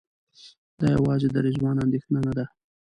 دا یوازې د رضوان اندېښنه نه ده.